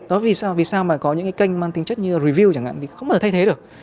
đó vì sao vì sao mà có những cái kênh mang tính chất như review chẳng hạn thì không thể thay thế được